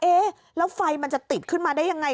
เอ๊ะแล้วไฟมันจะติดขึ้นมาได้ยังไง